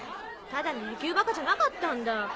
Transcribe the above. ただの野球バカじゃなかったんだ。